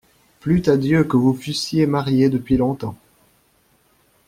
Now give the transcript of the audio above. Plût à Dieu que vous fussiez mariée depuis longtemps !